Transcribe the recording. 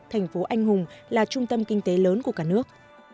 thành phố anh hùng là trung tâm kinh tế lớn của cả nước